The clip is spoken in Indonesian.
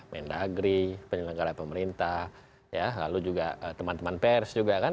mendagri penyelenggara pemerintah lalu juga teman teman pers juga kan